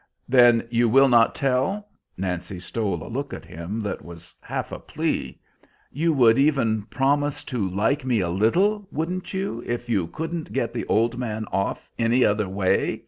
"Then you will not tell?" Nancy stole a look at him that was half a plea. "You would even promise to like me a little, wouldn't you, if you couldn't get the old man off any other way?"